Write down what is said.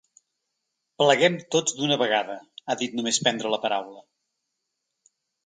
Pleguem tots d’una vegada, ha dit només prendre la paraula.